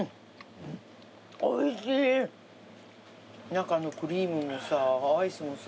中のクリームもさアイスもさ